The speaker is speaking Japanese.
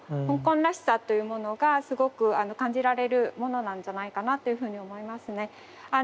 香港らしさというものがすごく感じられるものなんじゃないかなっていうふうに思いますね。